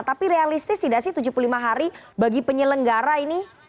tapi realistis tidak sih tujuh puluh lima hari bagi penyelenggara ini